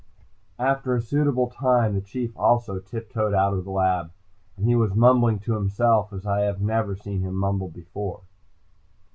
After a suitable time, the Chief, also, tiptoed out of the lab, and he was mumbling to himself as I have never seen him mumble before.